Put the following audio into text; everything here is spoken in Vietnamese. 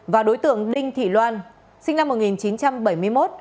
và đối tượng đinh thị loan sinh năm một nghìn chín trăm bảy mươi một